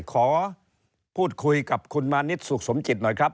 ขอพูดคุยกับคุณมานิดสุขสมจิตหน่อยครับ